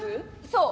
そう。